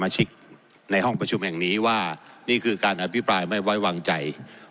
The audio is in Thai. ชิกในห้องประชุมแห่งนี้ว่านี่คือการอภิปรายไม่ไว้วางใจ